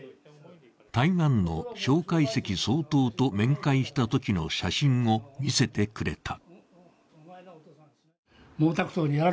台湾の蒋介石総統と面会したときの写真を見せてくれた。